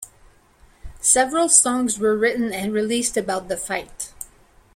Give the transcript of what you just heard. Several songs were written and released about the fight.